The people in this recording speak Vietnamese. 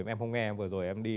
mà em không nghe vừa rồi em đi